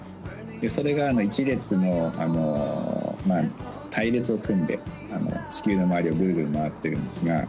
それが１列の隊列を組んで、地球の周りをぐるぐる回ってるんですが。